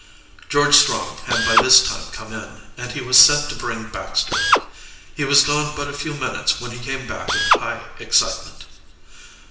George Strong had by this time come in, and he was sent to bring Baxter. He was gone but a few minutes when he came back in high excitement.